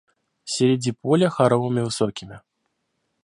Середи поля хоромами высокими